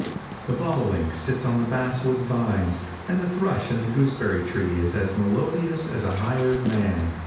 The bobolink sits on the basswood vines, and the thrush in the gooseberry tree is as melodious as a hired man.